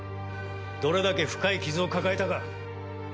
どれだけ深い傷を抱えたか。